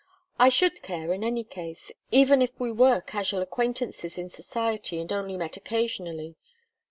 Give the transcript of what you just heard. I should care, in any case even if we were casual acquaintances in society, and only met occasionally.